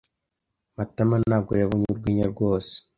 Matama ntabwo yabonye urwenya rwose.